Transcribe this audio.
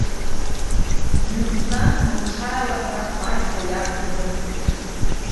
Дҩыхәнан, лҽааилаҳәа, маҷк лиарҭа днықәтәеит.